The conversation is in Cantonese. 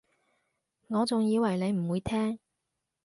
我仲以為你唔會聽